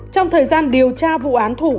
trong thời gian điều tra vụ án thủ